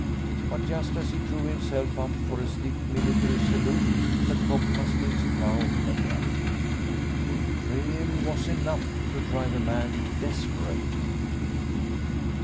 But just as he drew himself up for a stiff military salute the cock must needs crow again. It really was enough to drive a man desperate